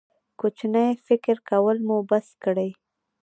کوچنی فکر کول مو بس کړئ.